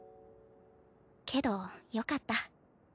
けどよかった。